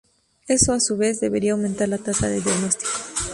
Eso, a su vez, debería aumentar la tasa de diagnóstico.